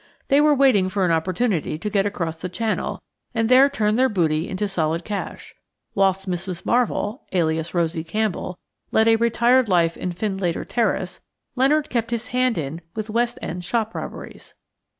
They were waiting for an opportunity to get across the Channel and there turn their booty into solid cash. Whilst Mrs. Marvell, alias Rosie Campbell, led a retired life in Findlater Terrace, Leonard kept his hand in with West End shop robberies.